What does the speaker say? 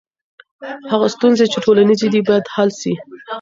هغه ستونزي چي ټولنیزي دي باید حل سي.